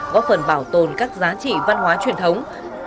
góp phần bảo tồn các giá trị văn hóa truyền thống